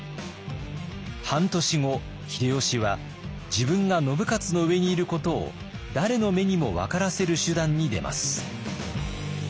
半年後秀吉は自分が信雄の上にいることを誰の目にも分からせる手段に出ます。